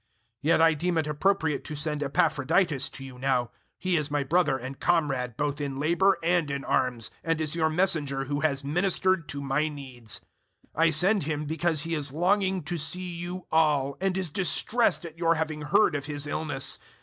002:025 Yet I deem it important to send Epaphroditus to you now he is my brother and comrade both in labour and in arms, and is your messenger who has ministered to my needs. 002:026 I send him because he is longing to see you all and is distressed at your having heard of his illness.